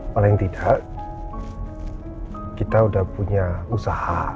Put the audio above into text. paling tidak kita sudah punya usaha